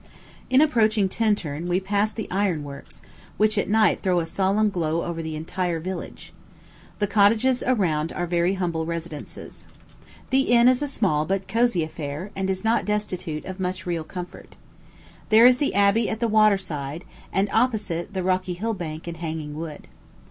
In approaching Tintern, we passed the iron works, which at night throw a solemn glow over the entire village. The cottages around are very humble residences. The inn is a small but cosy affair, and is not destitute of much real comfort. There is the abbey at the water side, and opposite the rocky hill bank and hanging wood.